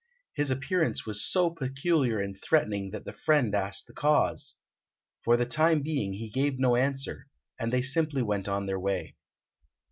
His appearance was so peculiar and threatening that the friend asked the cause. For the time being he gave no answer, and they simply went on their way.